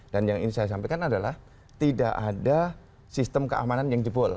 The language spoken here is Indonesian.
dan yang ingin saya sampaikan adalah tidak ada sistem keamanan yang jebol